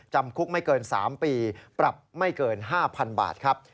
จำคุกไม่เกิน๓ปีปรับไม่เกิน๕๐๐๐บาทครับ